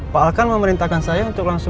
pak alkan memerintahkan saya untuk langsung